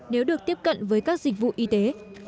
nếu được tiếp cận với các dịch vụ y tế